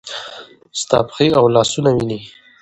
ستا پښې او لاسونه وینې ؟